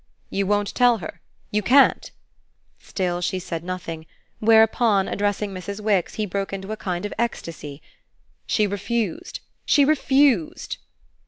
"You won't tell her? you can't?" Still she said nothing; whereupon, addressing Mrs. Wix, he broke into a kind of ecstasy. "She refused she refused!"